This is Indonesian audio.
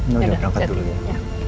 dengar kata kata istri kamu